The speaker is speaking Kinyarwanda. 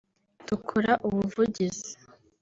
dukora ubuvugizi